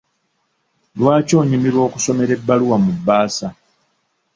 uLwaki onyumirwa okusomera ebbaluwa mu bbaasa?